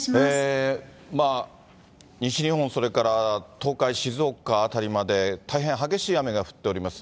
西日本、それから東海、静岡辺りまで大変激しい雨が降っております。